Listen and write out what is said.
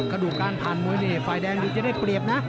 กระดูกการผ่านมวยนี่ฝ่ายแดงดูจะได้เปรียบนะ